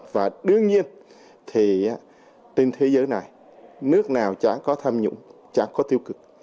và đương nhiên thì trên thế giới này nước nào chán có tham nhũng chẳng có tiêu cực